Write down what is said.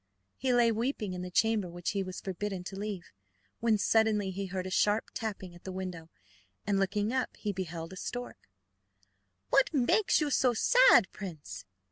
He lay weeping in the chamber which he was forbidden to leave, when suddenly he heard a sharp tapping at the window, and, looking up, he beheld a stork. "What makes you so sad, prince?"